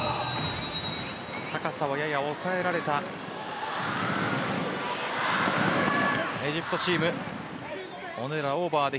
高さはやや抑えられたエジプトチーム。